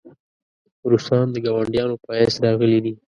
روسان د ګاونډیانو په حیث راغلي دي.